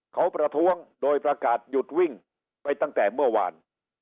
เขาประท้วงโดยประกาศหยุดวิ่งไปตั้งแต่เมื่อวาน